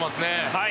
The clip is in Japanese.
はい。